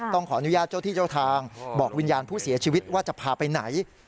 ต้องขออนุญาตเจ้าที่เจ้าทางบอกวิญญาณผู้เสียชีวิตว่าจะพาไปไหน